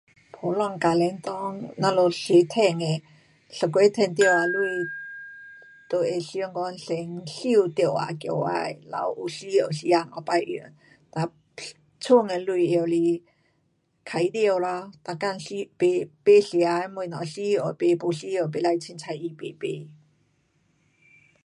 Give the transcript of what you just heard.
普通家庭内，我们多赚的，一月赚多少钱，都会想讲先收多少起来，留有需要时间，以后用。哒剩的钱拿来开销啦，每天需，买吃的东西，有需要的买，不需要的不可随便乱买买。